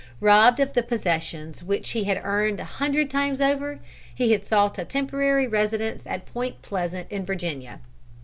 Robbed of the possessions which he had earned a hundred times over, he had sought a temporary residence at Point Pleasant, in Virginia.